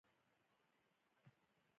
مس د افغانستان د جغرافیایي موقیعت پایله ده.